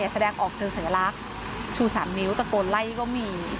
แสดงออกเสริมเสริมลักษณ์ชูสันนิ้วตะโกนไล่ก็มี